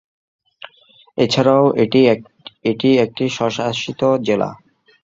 এছাড়াও এটি একটি স্বশাসিত জেলা।